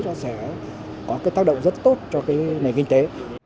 nó sẽ có tác động rất tốt cho nền kinh tế